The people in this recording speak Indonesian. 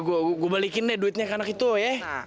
gua balikin deh duitnya ke anak itu ya